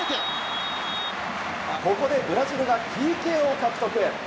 ここでブラジルがＰＫを獲得。